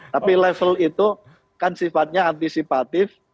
tapi level itu kan sifatnya antisipatif